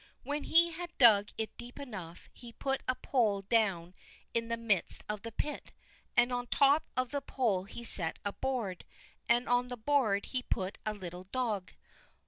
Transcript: When he had dug it deep enough, he put a pole down in the midst of the pit, and on the top of the pole he set a board, and on the board he put a little dog.